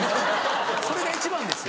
それが一番ですよ。